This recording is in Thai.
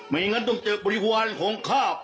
ไม่งั้นต้องเจอกบริวารของข้า